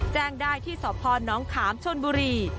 แจ้งได้ที่สพนขามชนบุรี